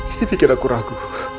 ini bikin aku ragu